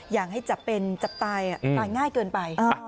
อยากให้จับเป็นจับตายตายง่ายเกินไป